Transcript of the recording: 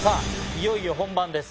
いよいよ本番です。